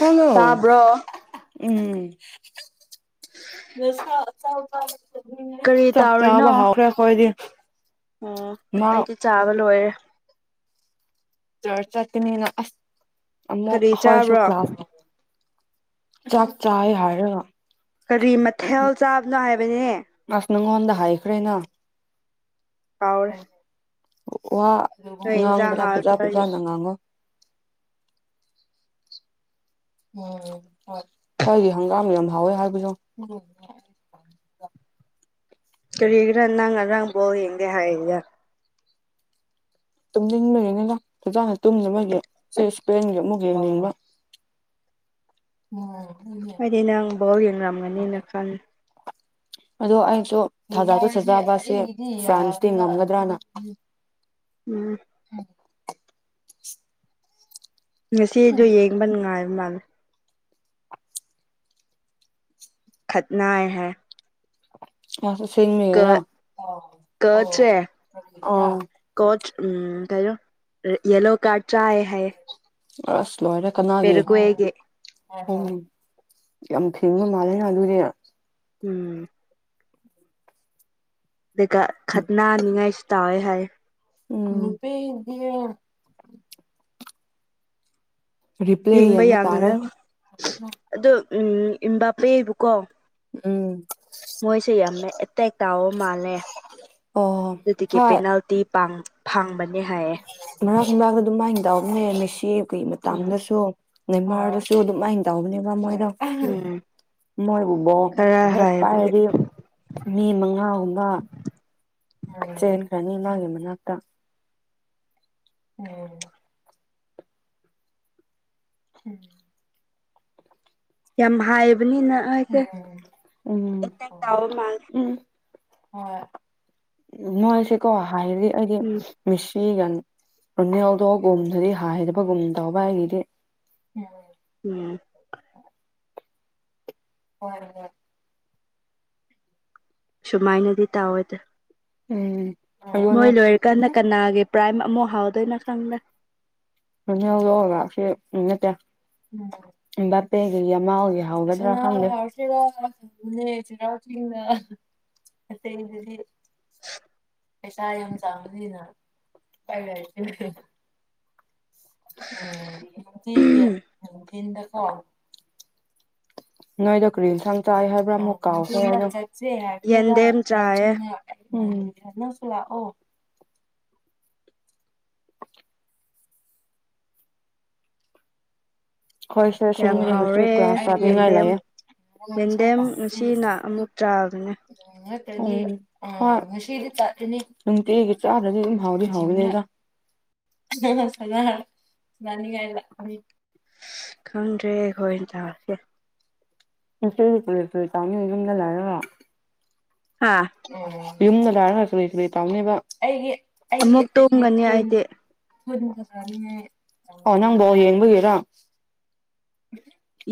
Hello ꯇꯥꯕ꯭ꯔꯣ ꯎꯝ ꯀꯔꯤ [inaudible] ꯆꯥꯛ ꯆꯥꯕ ꯇꯧꯔꯤꯅꯣ ꯍꯥꯎꯔꯦ ꯑꯈꯣꯏꯗꯤ ꯑꯣ ꯑꯩꯗꯤ ꯆꯥꯕ ꯂꯣꯏꯔꯦ ꯆꯔ ꯆꯠꯀꯅꯤꯅ ꯑꯁ ꯑꯃꯨꯛ ꯀꯔꯤ ꯑꯈꯣꯏꯁꯨ ꯆꯥꯕ꯭ꯔꯣ ꯀ꯭ꯂꯥꯁ ꯆꯥꯛ ꯆꯥꯌꯦ ꯍꯥꯏꯔꯒ ꯀꯔꯤ ꯃꯊꯦꯜ ꯆꯥꯕꯅꯣ ꯍꯥꯏꯕꯅꯦ ꯑꯁ ꯅꯪꯉꯣꯟꯗ ꯍꯥꯏꯈ꯭ꯔꯦꯅ ꯀꯥꯎꯔꯦ ꯋꯥ ꯅꯣꯏ ꯏꯟꯖꯥꯡ ꯉꯥꯡꯕꯅ ꯐꯖꯥ ꯍꯥꯎꯇꯕꯒꯤ ꯐꯖꯥꯅ ꯉꯥꯡꯉꯣ ꯎꯝ ꯍꯣꯏ ꯈꯣꯏꯒꯤ ꯍꯪꯒꯥꯝ ꯌꯥꯝ ꯍꯥꯎꯋꯦ ꯍꯥꯏꯕꯗꯣ ꯀꯔꯤꯒꯤꯔ ꯅꯪ ꯉꯔꯥꯡ ꯕꯣꯜ ꯌꯦꯡꯗꯦ ꯍꯥꯏꯗ ꯇꯨꯝꯅꯤꯡꯕꯒꯤꯅꯤꯗ ꯐꯖꯅ ꯇꯨꯝꯗꯕꯒꯤ ꯆꯦꯁ ꯄꯦꯟꯒꯤ ꯑꯃꯨꯛ ꯌꯦꯡꯅꯤꯡꯕ [inaudible] ꯑꯩꯗꯤ ꯅꯪ ꯕꯣꯜ ꯌꯦꯡꯉꯝꯒꯅꯤꯅ ꯈꯟ ꯑꯗꯣ ꯑꯩꯁꯨ ꯊꯥꯖꯥꯗꯤ ꯁꯥꯖꯕꯁꯦ ꯐ꯭ꯔꯥꯟꯁꯇꯤ ꯉꯝꯒꯗ꯭ꯔꯅ ꯎꯝ ꯉꯁꯤꯗꯣ ꯌꯦꯡꯕ ꯅꯨꯡꯉꯥꯏꯕ ꯃꯥꯜꯂꯦ ꯈꯠꯅꯥꯏ ꯍꯥꯏꯌꯦ ꯑꯁ ꯑꯁꯦꯡꯕꯒꯤꯔ ꯑꯣ ꯀꯣꯠꯁ ꯎꯝ ꯀꯩꯅꯣ ꯌꯦꯂꯣ ꯀꯥꯔꯠ ꯆꯥꯌꯦ ꯍꯥꯏꯌꯦ ꯑꯁ ꯂꯣꯏꯔꯦ ꯀꯅꯥꯒꯤ ꯄꯦꯔꯨꯀ꯭ꯋꯦꯒꯤ ꯎꯝ ꯌꯥꯝ ꯐꯤꯡꯕ ꯃꯥꯜꯂꯦꯅ ꯑꯗꯨꯗꯤ ꯎꯝ ꯑꯗꯨꯒ ꯈꯠꯅꯅꯤꯡꯉꯥꯏꯁꯨ ꯇꯥꯎꯋꯦ ꯍꯥꯏꯌꯦ ꯎꯝ ꯅꯨꯄꯤꯗꯤ ꯔꯤꯄ꯭ꯂꯦ ꯌꯦꯡꯕ ꯌꯥꯝ ꯇꯥꯔꯦ ꯅꯨꯡꯉꯥꯏ ꯑꯗꯨ ꯎꯝ ꯏꯝꯕꯥꯞꯄꯦꯕꯨꯀꯣ ꯎꯝ ꯃꯣꯏꯁꯦ ꯌꯥꯝ ꯑꯦꯇꯦꯛ ꯇꯥꯎꯕ ꯃꯥꯜꯂꯦ ꯑꯣ ꯗꯨꯗꯒꯤ ꯍꯣꯏ ꯄꯦꯅꯥꯜꯇꯤ ꯄꯥꯡ ꯐꯪꯕꯅꯦ ꯍꯥꯏ ꯃꯔꯛ ꯃꯔꯛꯇ ꯗꯨꯝꯃꯥꯏ ꯇꯧꯕꯅꯦ ꯃꯦꯁꯤꯀꯤ ꯎꯝ ꯃꯇꯝꯗꯁꯨ ꯅꯦꯃꯥꯔꯗꯁꯨ ꯑꯗꯨꯃꯥꯏꯟ ꯇꯧꯕꯅꯦꯕ ꯃꯣꯏꯗꯣ ꯎꯝ ꯃꯣꯏꯕꯨ ꯕꯣꯜ ꯈꯔ ꯍꯦꯛ ꯍꯥꯏꯕꯒꯤ ꯄꯥꯏꯔꯗꯤ ꯃꯤ ꯃꯉꯥꯒꯨꯝꯕ ꯆꯦꯟꯈ꯭ꯔꯅꯤ ꯃꯥꯒꯤ ꯃꯅꯥꯛꯇ [unintelligible] [unintelligible] ꯌꯥꯝ ꯍꯥꯏꯕꯅꯤꯅ ꯑꯩꯁꯦ ꯎꯝ ꯑꯦꯇꯦꯛ ꯇꯥꯎꯕ ꯃꯥꯥꯡꯂꯦ ꯍꯣꯏ ꯃꯣꯏꯁꯦꯀꯣ ꯍꯥꯏꯔꯗꯤ ꯑꯩꯗꯤ ꯎꯝ ꯃꯦꯁꯤꯒ ꯔꯨꯅꯦꯜꯗꯣꯒꯨꯝꯗꯨꯗꯤ ꯍꯥꯏꯗꯕꯒꯨꯝ ꯇꯧꯕ ꯑꯩꯒꯤꯗꯤ ꯎꯝ ꯎꯝ ꯍꯣꯏ ꯍꯣꯏ ꯁꯨꯃꯥꯏꯅꯗꯤ ꯇꯧꯋꯦꯇꯨ ꯎꯝ ꯑꯗꯨꯅꯦ ꯃꯣꯏ ꯂꯣꯏꯔꯀꯥꯟꯗ ꯀꯅꯥꯒꯤ ꯄ꯭ꯔꯥꯏꯝ ꯑꯃꯨꯛ ꯍꯥꯎꯗꯣꯏꯅꯣ ꯈꯪꯗꯦ ꯔꯣꯅꯥꯜꯗꯣꯒꯁꯤ ꯎꯝ ꯅꯠꯇꯦ ꯑꯦꯝꯕꯄꯦꯒꯒꯤ ꯌꯃꯥꯜꯒꯤ ꯍꯧꯒꯗ꯭ꯔꯥ ꯈꯪꯗꯦ ꯑꯗꯨꯅꯦ ꯆꯩꯔꯥꯎ ꯆꯤꯡꯅ ꯑꯇꯩꯗꯨꯗꯤ ꯄꯩꯁꯥ ꯌꯥꯝ ꯆꯪꯕꯅꯤꯅ [unintelligible] ꯎꯝ ꯆꯦꯒꯤ ꯃꯤꯡꯗꯀꯣ ꯅꯣꯏꯗꯣ ꯀꯔꯤ ꯏꯟꯁꯥꯡ ꯆꯥꯏ ꯍꯥꯏꯕ꯭ꯔꯥ ꯑꯃꯨꯛ ꯀꯥꯎꯈ꯭ꯔꯦ ꯑꯩꯗꯣ ꯆꯦ ꯍꯥꯏꯕꯅꯤꯗꯥ ꯌꯦꯟꯗꯦꯝ ꯆꯩꯔꯥꯎ ꯆꯥꯏꯌꯦ ꯆꯤꯡꯗ ꯎꯝ ꯅꯪꯁꯨ ꯂꯥꯛꯑꯣ ꯍꯣꯏꯁꯦ ꯌꯥꯝ ꯑꯁꯦꯡꯕꯅꯦ ꯉꯁꯤ ꯍꯥꯎꯔꯦ ꯀ꯭ꯂꯥꯁ ꯆꯠꯅꯤꯡꯉꯥꯏ ꯌꯦꯟꯗꯦꯝ ꯂꯩꯌꯦ ꯌꯦꯟꯗꯦꯝ ꯉꯁꯤꯅ ꯑꯃꯨꯛ ꯆꯥꯕꯅꯦ ꯅꯠꯇꯗꯤ ꯎꯝ ꯅꯨꯡꯇꯤꯒꯤ ꯆꯥꯗ꯭ꯔꯗꯤ ꯑꯗꯨꯝ ꯍꯥꯎꯗꯤ ꯍꯥꯎꯕꯅꯤꯗ [unintelligible] ꯈꯪꯗ꯭ꯔꯦ ꯑꯩꯈꯣꯏꯅ ꯇꯥꯔꯁꯦ ꯅꯆꯦꯗꯤ ꯀꯔꯤ ꯀꯩ ꯇꯝꯃꯤ ꯌꯨꯝꯗ ꯂꯩꯔꯒ ꯍꯥꯥ ꯌꯨꯝꯗ ꯂꯩꯔꯒ ꯀꯔꯤ ꯀꯔꯤ ꯇꯧꯅꯦꯕ ꯑꯩꯒꯤ ꯑꯃꯨꯛ ꯇꯨꯝꯒꯅꯤ ꯑꯩꯗꯤ ꯑꯣ ꯅꯪ ꯕꯣꯜ ꯌꯦꯡꯕꯒꯤꯔꯥ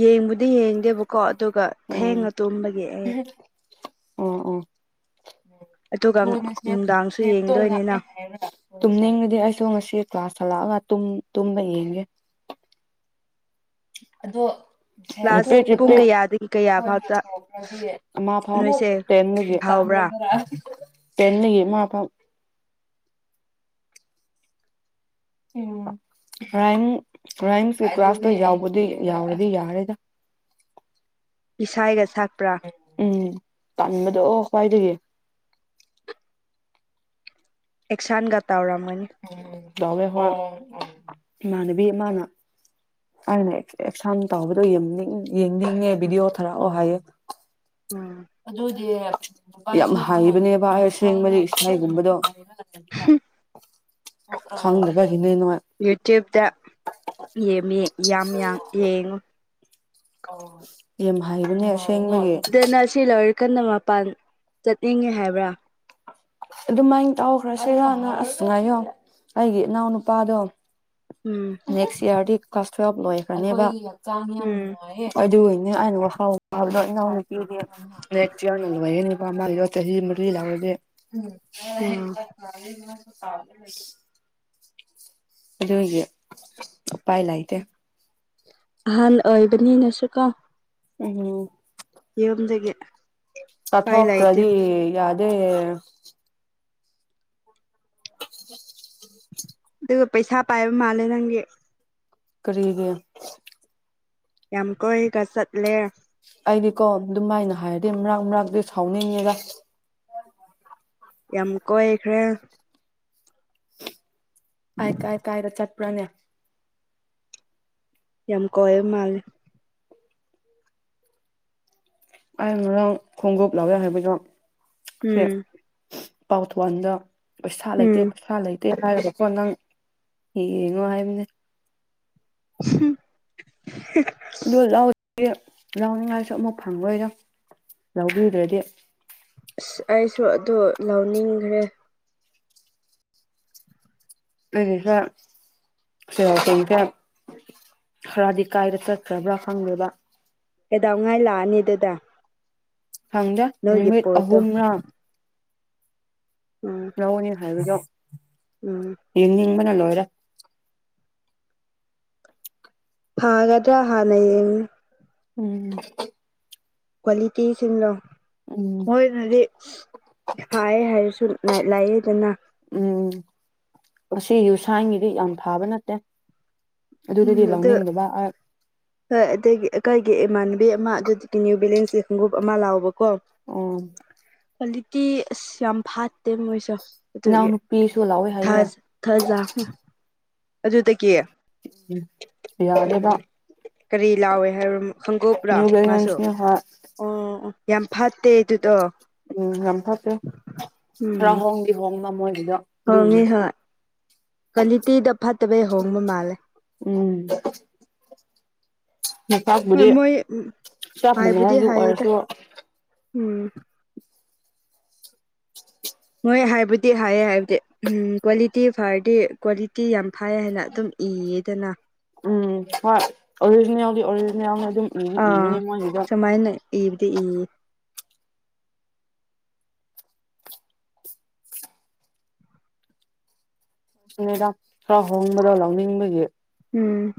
ꯌꯦꯡꯕꯨꯗꯤ ꯌꯦꯡꯗꯦꯕꯀꯣ ꯑꯗꯨꯒ ꯑꯣ ꯊꯦꯡꯅ ꯇꯨꯝꯕꯒꯤ ꯑꯩ ꯑꯣ ꯑꯣ ꯑꯗꯨꯒ ꯅꯨꯡꯗꯥꯡꯁꯨ ꯌꯦꯡꯗꯣꯏꯅꯤꯅ [unintelligible] ꯇꯨꯝꯅꯤꯡꯔꯗꯤ ꯑꯩꯁꯨ ꯉꯁꯤ ꯀ꯭ꯂꯥꯁ ꯍꯜꯂꯛꯑꯒ ꯇꯨꯝꯕ ꯌꯦꯡꯒꯦ ꯑꯗꯣ ꯀ꯭ꯂꯥꯁ ꯄꯨꯡ ꯀꯌꯥꯗꯒꯤ ꯀꯌꯥ ꯐꯥꯎꯗ [unintelligible] ꯅꯣꯏꯁꯦ ꯍꯥꯎꯕ꯭ꯔꯥ [unintelligible] [unintelligible] ꯏꯁꯥꯏꯒ ꯁꯛꯄ꯭ꯔꯥ ꯎꯝ ꯇꯥꯟꯕꯗꯣ ꯑꯣ ꯈ꯭ꯋꯥꯏꯗꯒꯤ ꯑꯦꯛꯁꯥꯟꯒ ꯇꯧꯔꯝꯃꯅꯤ꯫ ꯎꯝ ꯇꯧꯋꯦ ꯍꯣꯏ ꯏꯃꯥꯟꯅꯕꯤ ꯑꯃꯥꯅ꯫ ꯑꯩꯅ ꯑꯦꯛꯁꯟ ꯇꯧꯕꯗꯣ ꯌꯦꯡꯅꯤꯡ ꯌꯦꯡꯅꯤꯡꯉꯦ ꯕꯤꯗꯤꯑꯣ ꯊꯔꯛꯑꯣ ꯍꯥꯏꯌꯦ ꯎꯝ ꯑꯗꯨ ꯒꯤ ꯌꯥꯝ ꯍꯥꯏꯕꯅꯦꯕ ꯑꯁꯦꯡꯕꯗꯤ ꯏꯁꯩꯒꯨꯝꯕꯗꯣ꯫ [unintelligible] ꯈꯪꯗꯕꯒꯤꯅꯦ ꯅꯣꯏ ꯌꯨꯇ꯭ꯌꯨꯕꯇ ꯌꯦꯝꯃꯦ ꯌꯥꯝ ꯌꯥꯝ ꯌꯦꯡꯉꯣ꯫ ꯑꯣ ꯌꯥꯝ ꯍꯩꯕꯅꯦ ꯑꯁꯤ ꯑꯅꯤꯒꯤ [unintelligible] ꯑꯁꯤ ꯂꯣꯏꯔ ꯀꯟꯅ ꯃꯄꯥꯟ ꯆꯠꯅꯤꯡꯉꯦ ꯍꯥꯏꯕ꯭ꯔꯥ ꯑꯗꯨꯃꯥꯏꯅ ꯇꯧꯈ꯭ꯔꯁꯤꯔꯅ ꯑꯁꯤ ꯉꯥꯏꯌꯣ ꯑꯩꯒꯤ ꯏꯅꯥꯎ ꯅꯨꯨꯄꯥꯗꯣ ꯎꯝ ꯅꯦꯛꯁ ꯏꯌꯥꯔꯗꯤ ꯀ꯭ꯂꯥꯁ ꯇꯨꯌꯦꯞ ꯂꯣꯏꯈ꯭ꯔꯅꯦꯕ ꯆ ꯌꯥꯝ ꯎꯝ ꯅꯨꯡꯉꯥꯏꯌꯦ ꯍꯣꯏ ꯑꯗꯨꯒꯤꯅꯦ ꯑꯩꯅ [unintelligible] ꯏꯅꯥꯎꯅꯨꯄꯤꯗꯤ ꯅꯦꯛ ꯇꯤꯌ꯭ꯔꯅ ꯂꯣꯏꯌꯦ ꯅꯨꯄꯥ ꯃꯒꯤꯗꯣ ꯆꯍꯤ ꯃꯔꯤ ꯂꯛꯔꯗꯤ ꯎꯝ [unintelligible] [unintelligible] ꯑꯗꯨꯒꯤ ꯎꯄꯥꯏ ꯂꯩꯇꯦ ꯑꯍꯥꯟ ꯑꯣꯏꯕꯅꯤꯅꯁꯨ ꯀꯣ ꯎꯝ ꯌꯨꯝꯗꯒꯤ ꯎꯄꯥꯏ ꯂꯩꯇꯦ ꯆꯠꯊꯣꯛꯇ꯭ꯔꯗꯤ ꯌꯥꯗꯦ [unintelligible] ꯑꯗꯨꯒ ꯄꯩꯁꯥ ꯄꯥꯏꯕ ꯃꯥꯜꯂꯦ ꯅꯪꯗꯤ ꯀꯔꯤꯒꯤ ꯌꯥꯝ ꯀꯣꯏꯒ ꯆꯠꯂꯦ ꯑꯩꯗꯤꯀꯣ ꯑꯗꯨꯃꯥꯏꯅ ꯍꯥꯏꯔꯗꯤ ꯃꯔꯥꯛ ꯃꯔꯥꯛꯇꯤ ꯁꯥꯎꯅꯤꯡꯉꯦꯗ ꯌꯥꯝ ꯀꯣꯏꯈ꯭ꯔꯦ ꯑꯩ ꯀꯥꯏ ꯀꯥꯏꯗ ꯆꯠꯄ꯭ꯔꯅꯦ ꯌꯥꯝ ꯀꯣꯏꯔ ꯃꯥꯜꯂꯦ ꯑꯩ ꯉꯔꯥꯡ ꯈꯣꯡꯎꯞ ꯂꯥꯔꯣꯏ ꯍꯥꯏꯕꯗꯣ ꯁꯦ ꯎꯝ ꯄꯥꯎꯊꯣꯟꯗ ꯄꯩꯁꯥ ꯂꯩꯇꯦ ꯎꯝ ꯄꯩꯁꯥ ꯂꯩ ꯇꯦ ꯍꯥꯏꯔꯒꯀꯣ ꯅꯪ ꯌꯦꯡꯉꯣ ꯍꯥꯏꯕꯅꯦ [unintelligible] ꯑꯗꯨ ꯂꯥꯎ ꯂꯥꯎꯅꯤꯡꯉꯥꯏꯁꯨ ꯑꯃꯨꯛ ꯐꯪꯉꯣꯏꯗꯣ ꯂꯧꯕꯤꯗ꯭ꯔꯗꯤ ꯑꯁ ꯑꯩꯁꯨ ꯑꯗꯨ ꯂꯧꯅꯤꯡꯈ꯭ꯔꯦ ꯑꯩꯒꯤꯁꯦ [unintelligible] ꯈꯔꯗꯤ ꯀꯥꯏꯔ ꯆꯠꯈ꯭ꯔꯕ꯭ꯔꯥ ꯈꯪꯗꯦꯕ ꯀꯩꯗꯧꯉꯩ ꯂꯥꯛꯑꯅꯤ ꯑꯗꯨꯗ ꯈꯪꯗꯦ ꯅꯣꯏꯒꯤ ꯅꯨꯃꯤꯠ ꯄꯣꯠꯇꯣ ꯑꯍꯨꯝꯔꯥ ꯎꯝ ꯂꯧꯒꯅꯤ ꯍꯥꯏꯕꯗꯣ ꯎꯝ ꯌꯦꯅꯤꯡꯕꯅ ꯂꯣꯏꯔꯦ ꯐꯥꯒꯗ꯭ꯔ ꯍꯥꯟꯅ ꯌꯦꯡꯉꯤ ꯎꯝ ꯀ꯭ꯋꯥꯂꯤꯇꯤ ꯁꯤꯟꯂꯣ ꯎꯝ ꯃꯣꯏꯅꯗꯤ ꯐꯥꯛꯌꯦ ꯍꯥꯏꯔꯁꯨ ꯂꯥꯏ ꯂꯥꯏꯑꯦꯗꯅ ꯎꯝ ꯑꯁꯤ ꯌꯨꯁꯥꯡꯒꯤꯗꯤ ꯌꯥꯝ ꯐꯕ ꯅꯠꯇꯦ ꯎꯝ ꯑꯗꯨꯗꯗꯤ ꯑꯗꯨ ꯂꯧꯅꯤꯡꯗꯕ ꯑꯩ ꯍꯣꯏ ꯑꯗꯒꯤ ꯑꯈꯣꯏꯒꯤ ꯏꯃꯥꯟꯅꯕꯤ ꯑꯃ ꯑꯗꯨꯗꯒꯤ ꯇꯤꯀꯤꯅꯨꯏ ꯕꯦꯂꯦꯁꯖꯦ ꯍꯨꯡꯎꯞ ꯑꯃ ꯂꯥꯎꯕꯀꯣ ꯑꯣ ꯀ꯭ꯋꯥꯂꯤꯇꯤ ꯑꯁ ꯌꯥꯝ ꯐꯠꯇꯦ ꯃꯣꯏꯁꯣ ꯑꯗꯨꯒꯤ ꯏꯅꯥꯎꯅꯨꯄꯤꯁꯨ ꯂꯧꯋꯦ ꯍꯥꯏꯌꯦ ꯊꯥꯁ [unintelligible] ꯑꯗꯨꯗꯒꯤ ꯎꯝ ꯌꯥꯗꯦꯕ ꯀꯔꯤ ꯂꯥꯎꯋꯦ ꯍꯥꯏꯕ꯭ꯔꯥ ꯈꯪꯍꯩꯕ꯭ꯔꯥ ꯅ꯭ꯌꯨ ꯃꯥꯁꯨ ꯕꯦꯂꯦꯟꯁꯅꯤ ꯍꯣꯏ ꯑꯣ ꯑꯣ ꯌꯥꯝ ꯐꯠꯇꯦ ꯑꯗꯨꯗꯣ ꯎꯝ ꯎꯝ [unintelligible] ꯃꯣꯏꯒꯤꯗꯥ ꯍꯣꯡꯉꯤ ꯍꯣꯏ ꯀ꯭ꯋꯥꯂꯤꯇꯤꯗꯥ ꯐꯠꯇꯕꯩ ꯍꯣꯡꯕ ꯃꯥꯜꯂꯦ ꯎꯝ ꯍꯣꯏ ꯃꯣꯝꯄꯥꯛꯄꯨꯗꯤ ꯃꯣꯏ ꯆꯞ ꯃꯥꯟꯅꯩ ꯍꯥꯏꯕꯨꯗꯤ ꯑꯗꯨ ꯍꯥꯏꯌꯦꯗ ꯑꯣꯏꯔꯁꯨ ꯎꯝ ꯃꯣꯏ ꯍꯥꯏꯕꯨꯗꯤ ꯍꯥꯏꯌꯦ ꯍꯥꯏꯕꯗꯤ ꯎꯝ ꯀ꯭ꯋꯥꯂꯤꯇꯤ ꯐꯔꯗꯤ ꯀ꯭ꯋꯥꯂꯤꯇꯤ ꯌꯥꯝ ꯐꯥꯏ ꯍꯥꯏꯅ ꯑꯗꯨꯝ ꯏꯌꯦꯗꯅ ꯎꯝ ꯍꯣꯏ ꯑꯣꯔꯤꯖꯤꯅꯦꯜꯗꯤ ꯑꯣꯔꯤꯖꯤꯅꯦꯜ ꯑꯗꯨꯝ ꯏꯗꯤ ꯑꯥ ꯏꯕꯅꯦ ꯃꯣꯏꯅꯁꯨ ꯁꯨꯃꯥꯏꯅ ꯏꯕꯗꯤ ꯏ [inaudible] ꯈꯔ ꯍꯣꯡꯕꯗꯣ ꯂꯧꯅꯤꯡꯕꯒꯤ ꯎꯝ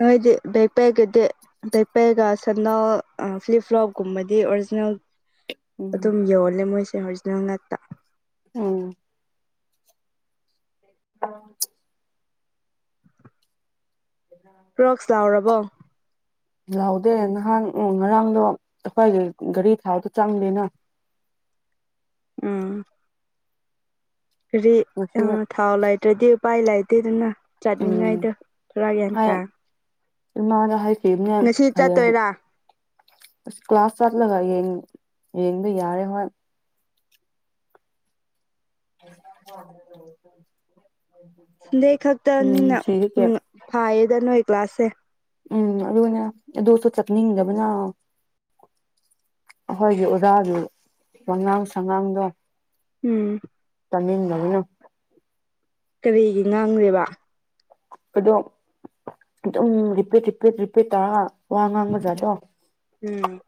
[unintelligible] ꯄꯦꯛꯄꯦꯒ ꯁꯅꯥꯜ ꯐ꯭ꯂꯤꯞꯐ꯭ꯂꯣꯞ ꯀꯨꯝꯕꯗꯤ ꯑꯣꯔꯤꯖꯤꯅꯦꯜ ꯎꯝ ꯑꯗꯨꯝ ꯌꯣꯜꯂꯦ ꯃꯣꯏꯁꯦ ꯑꯣꯔꯤꯖꯤꯅꯦꯜ ꯉꯥꯛꯇ ꯎꯝ [inaudible] [inaudible] ꯀ꯭ꯔꯣꯛꯁ ꯌꯥꯎꯔꯕ꯭ꯔꯣ ꯌꯥꯎꯗꯦ ꯅꯍꯥꯟ ꯎꯝ ꯉꯔꯥꯡꯗꯣ ꯑꯩꯈꯣꯏꯒꯤ ꯊꯥꯎꯗꯣ ꯆꯪꯗꯦꯅ ꯎꯝ ꯀꯔꯤ ꯉꯁꯤ ꯑ ꯊꯥꯎ ꯂꯩꯇ꯭ꯔꯗꯤ ꯎꯄꯥꯏ ꯂꯩꯇꯦꯗꯅ ꯎꯝ ꯆꯠꯅꯤꯡꯉꯥꯏꯗꯣ ꯑꯩ [unintelligible] ꯏꯃꯥꯗ ꯍꯥꯏꯈꯤꯕꯅꯦ ꯉꯁꯤ ꯍꯌꯦꯡ ꯆꯠꯇꯣꯏꯔꯥ ꯑꯁ ꯀ꯭ꯂꯥꯁ ꯆꯠꯂꯒ ꯌꯦꯡ ꯌꯦꯡꯕ ꯌꯔꯦ ꯃꯣꯏ [inaudible] ꯁꯟꯗꯦ ꯎꯝ ꯈꯛꯇꯅꯤꯅ ꯁꯤꯒꯤ ꯀꯦ ꯎꯝ ꯐꯥꯏꯔꯦꯗ ꯅꯣꯏ ꯀ꯭ꯂꯥꯁꯁꯦ ꯎꯝ ꯑꯗꯨꯒꯅꯦ ꯑꯗꯨ ꯆꯠꯅꯤꯡꯗꯕꯅ ꯑꯩꯈꯣꯏꯒꯤ ꯑꯣꯖꯥꯁꯨ ꯋꯉꯥꯡ ꯁꯉꯥꯡꯗꯣ ꯎꯝ ꯇꯥꯅꯤꯡꯗꯕꯅ ꯀꯔꯤ ꯉꯥꯡꯒ꯭ꯔꯦꯕ ꯑꯗꯣ ꯑꯗꯨꯝ ꯔꯤꯄꯤꯠ ꯔꯤꯄꯤꯠ ꯔꯤꯄꯤꯠ ꯇꯧꯔ ꯋꯥ ꯉꯥꯡꯕꯖꯥꯠꯇꯣ ꯎꯝ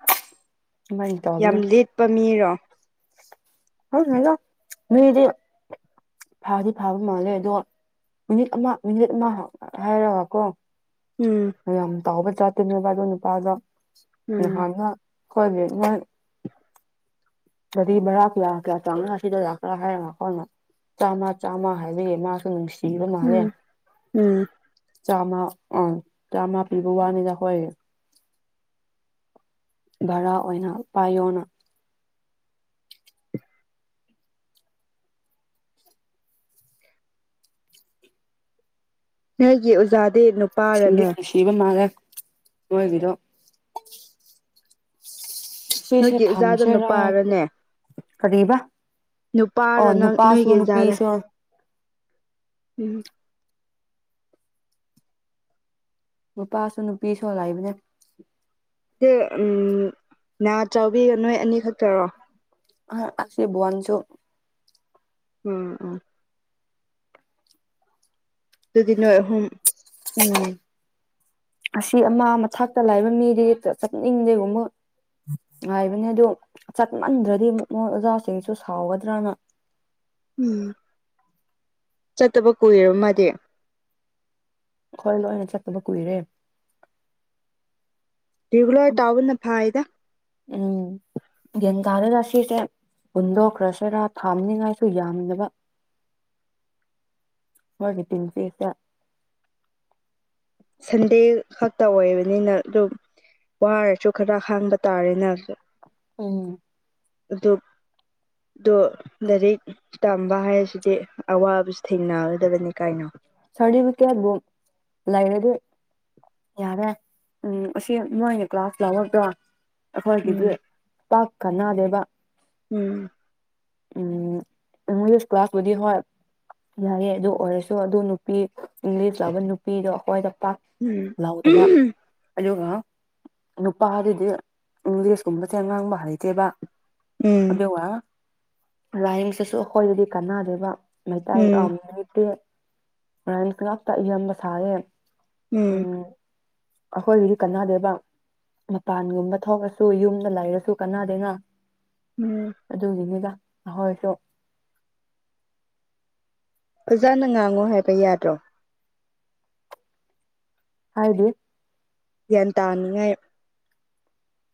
ꯌꯥꯝ ꯂꯤꯛꯄ ꯃꯤꯔꯣ ꯈꯪꯗꯦꯗ ꯃꯤꯗꯤ ꯐꯥꯗꯤ ꯐꯥꯕ ꯃꯥꯜꯂꯦ ꯑꯗꯣ ꯃꯤꯅꯤꯠ ꯑꯃ ꯃꯤꯅꯤꯠ ꯑꯃ ꯍꯥꯏꯔꯒꯀꯣ ꯎꯝ ꯌꯥꯝ ꯇꯥꯎꯕ ꯖꯥꯠꯇꯨꯅꯦꯕ ꯑꯗꯨꯏ ꯅꯨꯄꯗꯣ ꯎꯝ ꯅꯍꯥꯟꯅ ꯑꯩꯈꯣꯏꯒꯤ [inaudible] ꯒꯔꯤ ꯕꯔꯥ ꯀꯌꯥ ꯀꯌꯥ [unintelligible] ꯆꯥꯝꯃ ꯆꯥꯝꯃ ꯍꯥꯏꯌꯦ ꯃꯥꯁꯨ ꯅꯨꯡꯁꯤ ꯄꯤꯕ ꯃꯥꯜꯂꯦ ꯎꯝ ꯎꯝ ꯆꯥꯝꯃ ꯑꯥ ꯆꯥꯝꯃ ꯄꯤꯕ ꯋꯥꯅꯤꯗ ꯑꯩꯈꯣꯏ ꯚꯔꯥ ꯑꯣꯏꯅ ꯄꯥꯏꯌꯣꯅ ꯅꯣꯏꯒꯤ ꯑꯣꯖꯗꯤ ꯅꯨꯞ ꯁꯤꯡꯗꯤ ꯅꯨꯡꯁꯤꯕ ꯃꯥꯜꯂꯦ ꯅꯣꯏꯒꯤꯗꯣ ꯁꯤꯁꯦ ꯅꯣꯏꯒꯤ ꯏꯆꯥꯗꯣ ꯊꯝꯁꯤꯔꯥ ꯅꯨꯄꯥꯔꯅꯦ ꯀꯔꯤꯕ ꯅꯨꯄꯥꯔꯣ ꯑꯣ ꯅꯪ ꯅꯨꯄꯥꯁꯨ ꯅꯣꯏꯒꯤ ꯏꯆꯥꯗ ꯅꯨꯄꯤꯁꯨ ꯎꯝ ꯅꯨꯄꯥꯁꯨ ꯅꯨꯄꯤꯁꯨ ꯂꯩꯕꯅꯦ ꯁꯤ ꯎꯝ ꯅꯥꯆꯥꯎꯕꯤꯒ ꯅꯣꯏ ꯑꯅꯤꯈꯛꯇꯔꯣ ꯑ ꯑꯁꯤꯕꯣꯟꯁꯨ ꯎꯝ ꯎꯝ ꯑꯗꯨꯗꯤ ꯅꯣꯏ ꯑꯍꯨꯝ ꯎꯝ ꯑꯁꯤ ꯑꯃ ꯃꯊꯛꯇ ꯂꯩꯕ ꯃꯤꯗꯤ ꯆ ꯆꯠꯅꯤꯡꯗꯦꯒꯨꯝꯕ ꯉꯥꯏꯕꯅꯦ ꯑꯗꯨ ꯆꯠꯃꯟꯗ꯭ꯔꯗꯤ ꯃꯣꯏ ꯑꯣꯖꯥꯁꯤꯡꯁꯨ ꯁꯥꯎꯒꯗ꯭ꯔꯅ ꯎꯝ ꯆꯠꯇꯕ ꯀꯨꯏꯔꯕ ꯃꯥꯗꯤ ꯑꯈꯣꯏ ꯂꯣꯏꯅ ꯆꯠꯇꯕ ꯀꯨꯏꯔꯦ ꯔꯤꯒꯨꯂ꯭ꯔ ꯇꯥꯎꯕ ꯅ ꯐꯩ ꯗ ꯎꯝ ꯒ꯭ꯔꯥꯟ ꯇꯔꯒ ꯁꯤꯁꯦ ꯍꯨꯟꯗꯣꯛꯈ꯭ꯔꯁꯤꯔꯥ ꯊꯥꯝꯅꯤꯉꯥꯏꯁꯨ ꯌꯥꯝꯗꯕ ꯍꯣꯏꯒꯤ ꯇꯤꯟꯁꯤꯆꯦ ꯁꯟꯗꯦ ꯈꯛꯇ ꯑꯣꯏꯕꯅꯤꯅ ꯑꯗꯨꯝ ꯋꯥꯔꯁꯨ ꯈꯔ ꯍꯥꯡꯕ ꯇꯥꯔꯦꯅ ꯎꯝ ꯑꯗꯨ ꯗꯣ ꯂꯥꯏꯔꯤꯛ ꯇꯝꯕ ꯍꯥꯏꯁꯤꯗꯤ ꯑꯋꯥꯕꯁꯨ ꯊꯦꯡꯅꯒꯗꯕꯅꯤ ꯀꯩꯅꯣ ꯁꯔꯗꯤꯕꯤꯀꯦꯠꯕꯨꯝ ꯂꯩꯔꯗꯤ ꯌꯥꯔꯦ ꯎꯝ ꯑꯁꯤ ꯃꯣꯏꯅ ꯀ꯭ꯂꯥꯁ ꯂꯧꯔꯕ꯭ꯔꯣ ꯑꯈꯣꯏꯒꯤꯗꯤ ꯎꯝ ꯄꯥꯛ ꯀꯥꯟꯅꯗꯦꯕ ꯎꯝ ꯎꯝ ꯏꯪꯂꯤꯁ ꯀꯂꯥꯁ ꯄꯨꯗꯤ ꯍꯣꯏ ꯌꯥꯏꯑꯦ ꯑꯗꯨ ꯑꯣꯏꯔꯁꯨ ꯑꯗꯨ ꯅꯨ ꯄꯤ ꯏꯪꯂꯤꯁ ꯂꯕ ꯅꯨꯄꯤꯗꯣ ꯑꯈꯋꯥꯏꯗ ꯄꯥꯛ ꯎꯝ ꯂꯥꯎꯗꯕ ꯑꯗꯨꯒ ꯅꯨꯄꯥꯗꯨꯗꯤ ꯏꯪꯂꯤꯁꯀꯨꯝꯕꯁꯦ ꯉꯥꯡꯕ ꯍꯩꯇꯦꯕ ꯎꯝ ꯑꯗꯨꯒ ꯂꯥꯏꯍꯤꯛꯁꯤꯁꯨ ꯑꯈꯣꯏꯗꯗꯤ ꯀꯥꯟꯅꯗꯣꯏꯕ ꯃꯩꯇꯩ ꯎꯝ ꯌꯥꯝꯕ ꯅꯨꯠꯇꯦ ꯔꯥꯝꯁ ꯉꯥꯛꯇ ꯏꯌꯥꯝꯕ ꯁꯥꯌꯦ ꯎꯝ ꯑꯈꯣꯏꯒꯤꯗꯤ ꯀꯥꯟꯅꯗꯦꯕ ꯃꯄꯥꯟꯒꯨꯝꯕ ꯊꯣꯛꯑꯁꯨ ꯌꯨꯝꯗ ꯂꯩꯔꯁꯨ ꯀꯅꯥꯗꯦꯅ ꯎꯝ ꯑꯗꯨꯒꯤꯅꯤꯗ ꯑꯍꯣꯏꯁꯨ ꯐꯖꯅ ꯉꯥꯡꯉꯣ ꯍꯥꯏꯕ ꯌꯥꯗ꯭ꯔꯣ ꯍꯥꯏꯗꯤ ꯒ꯭ꯌꯥꯟ ꯇꯥꯅꯤꯡꯉꯥꯏ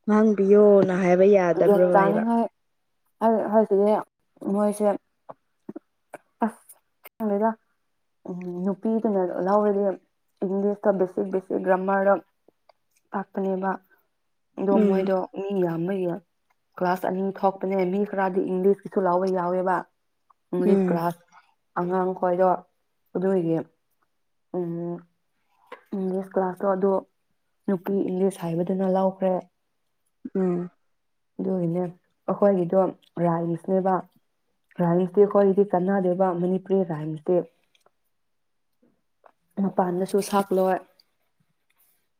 ꯉꯥꯡꯕꯤꯌꯣ ꯅ ꯍꯥꯏꯕ ꯌꯥ ꯒ꯭ꯌꯥꯟ ꯇꯥꯅꯤꯡꯉꯥꯏ ꯍꯧꯖꯤꯗꯤ [unintelligible] ꯃꯣꯏꯁꯦ ꯑ꯭ꯁ ꯈꯪꯗꯦꯗ ꯅꯨꯄꯤꯗꯨꯅ ꯂꯧꯎꯔꯗꯤ ꯏꯪꯂꯤꯁꯇ ꯕꯦꯁꯤꯛ ꯕꯦꯁꯤꯛ ꯒ꯭ꯔꯥꯃꯔꯗ ꯇꯥꯛꯄꯅꯦꯕ ꯑꯗꯣ ꯎꯝ ꯃꯣꯏꯗꯣ ꯃꯤ ꯌꯥꯝꯕ ꯒꯤ ꯀ꯭ꯂꯥꯁ ꯑꯅꯤ ꯊꯣꯛꯄꯅꯦ ꯃꯤ ꯈꯔꯗꯤ ꯏꯪꯂꯤꯁꯀꯤꯁꯨ ꯂꯥꯎꯕ ꯌꯥꯎꯋꯦꯕ ꯏꯪꯂꯤꯁ ꯎꯝ ꯀ꯭ꯂꯥꯁ ꯑꯉꯥꯡ ꯈ꯭ꯣꯏꯗꯣ ꯑꯗꯨ ꯑꯣꯏꯗꯤ ꯎꯝ ꯏꯪꯂꯤꯁ ꯀ꯭ꯂꯥꯁꯇꯣ ꯑꯗꯨ ꯅꯨꯄꯤ ꯏꯪꯂꯤꯁ ꯍꯩꯕꯗꯨꯅ ꯂꯧꯈ꯭ꯔꯦ ꯎꯝ ꯑꯗꯨꯒꯤꯅꯦ ꯑꯩꯈꯣꯏꯒꯤꯗꯣ ꯔꯥꯏꯁꯅꯦꯕ ꯔꯥꯏꯝꯁꯇꯤ [unintelligible] ꯑꯩꯈꯣꯏꯗꯤ ꯀꯥꯟꯅꯗꯦꯕ ꯃꯅꯤꯄꯨꯔꯤ ꯔꯥꯏꯝꯁꯇꯤ ꯃꯄꯥꯟꯗꯁꯨ ꯁꯛꯂꯣꯏ